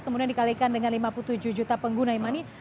kemudian dikalikan dengan lima puluh tujuh juta pengguna imani